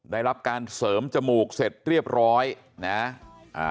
ได้รับการเสริมจมูกเสร็จเรียบร้อยนะอ่า